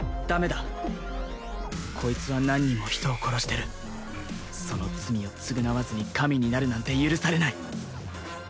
ダメだこいつは何人も人を殺してるその罪を償わずに神になるなんて許されない